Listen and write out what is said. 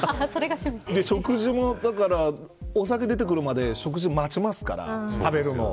食事もお酒出てくるまでで食事待ちますから、食べるのを。